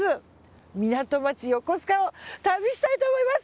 港町・横須賀を旅したいと思います。